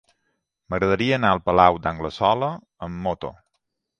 M'agradaria anar al Palau d'Anglesola amb moto.